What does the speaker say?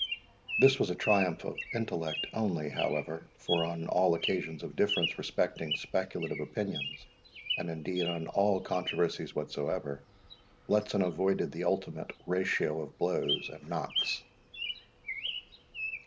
This was a triumph of intellect only, however; for on all occasions of difference respecting speculative opinions, and indeed on all controversies whatsoever, Bletson avoided the ultimate ratio of blows and knocks.